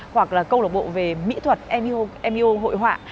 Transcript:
hoặc là câu lạc bộ về mỹ thuật m u hội họa